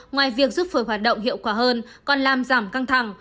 ngoài việc giúp phổi hoạt động hiệu quả hơn còn làm giảm căng thẳng